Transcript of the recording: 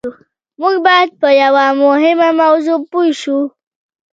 موږ بايد په يوه مهمه موضوع پوه شو.